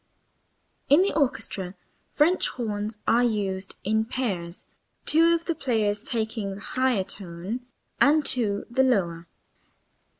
In the orchestra French horns are used in pairs, two of the players taking the higher tones, and two the lower.